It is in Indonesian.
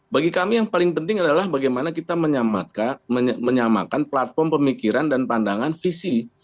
bagi kami yang paling penting adalah bagaimana kita menyamakan platform pemikiran dan pandangan visi